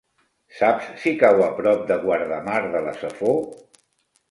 Saps si cau a prop de Guardamar de la Safor?